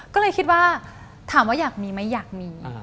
ก็เลยคิดว่าถามว่าอยากมีไหมอยากมี